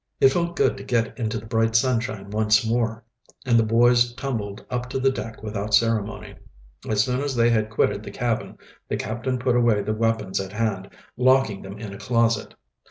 It felt good to get into the bright sunshine once more, and the boys tumbled up to the deck without ceremony. As soon as they had quitted the cabin the captain put away the weapons at hand, locking them in a closet.